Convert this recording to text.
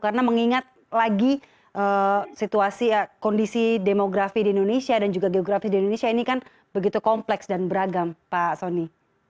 karena mengingat lagi situasi kondisi demografi di indonesia dan juga geografi di indonesia ini kan begitu kompleks dan beragam pak soni